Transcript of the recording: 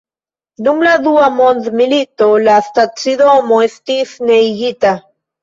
Dum la dua mondmilito la stacidomo estis neniigita.